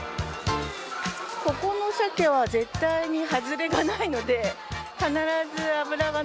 ここの鮭は絶対にハズレがないので。